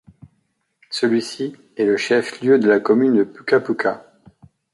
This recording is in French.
Celui-ci est le chef-lieu de la commune de Puka Puka.